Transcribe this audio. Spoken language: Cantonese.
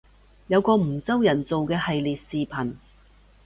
有個梧州人做嘅系列視頻